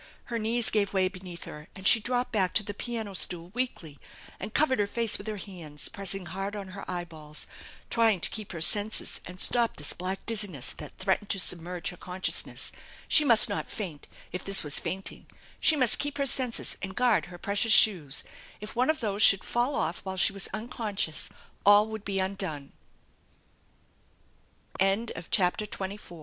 Her knees gave way beneath her and she dropped back to the piano stool weakly, and covered her face with her hands, pressing hard on her eyeballs ; trying to keep her senses and stop this black dizziness that threatened to submerge her consciousness. She must not faint if this was fainting. She must keep her senses and guard her precious shoes. If one of those should fall off while she was uncon* gcious all would be undone.